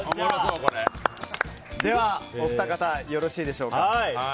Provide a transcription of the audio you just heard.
では、お二方よろしいでしょうか。